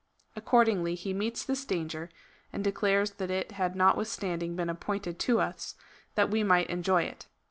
Accordingly he meets this danger, and ■ declares that it had notwithstanding been appointed to us, that we might enjoy it.